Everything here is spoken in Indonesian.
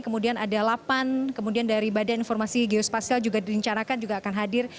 kemudian ada lapan kemudian dari badan informasi geospasial juga direncanakan juga akan hadir